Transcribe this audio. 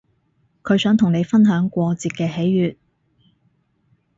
佢想同你分享過節嘅喜悅